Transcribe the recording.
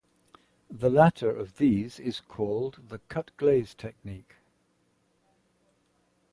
The latter of these is called the "cut-glaze" technique.